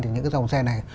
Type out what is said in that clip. thì những cái dòng xe này